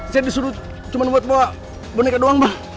saya disuruh cuma buat bawa boneka doang mbak